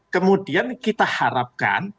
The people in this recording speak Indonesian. kemudian kita harapkan